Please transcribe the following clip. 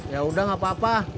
ya udah gak apa apa